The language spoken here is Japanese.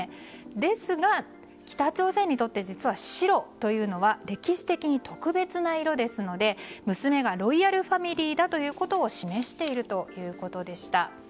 ですが、北朝鮮にとって実は白というのは歴史的に特別な色ですので娘がロイヤルファミリーだということを示しているということでした。